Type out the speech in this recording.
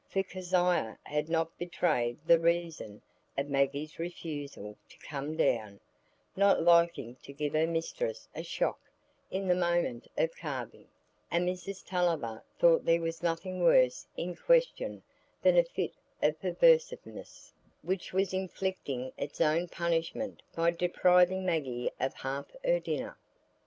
For Kezia had not betrayed the reason of Maggie's refusal to come down, not liking to give her mistress a shock in the moment of carving, and Mrs Tulliver thought there was nothing worse in question than a fit of perverseness, which was inflicting its own punishment by depriving Maggie of half her dinner.